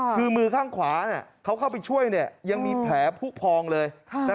คือมือข้างขวาเขาเข้าไปช่วยยังมีแผลผู้พองเลย